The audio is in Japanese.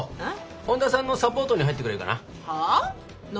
本田さんのサポートに入ってくれるかな？